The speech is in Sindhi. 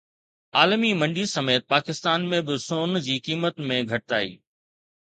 عالمي منڊي سميت پاڪستان ۾ به سون جي قيمت ۾ گهٽتائي